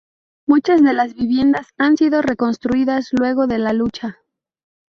Muchas de las viviendas han sido reconstruidas luego de la lucha.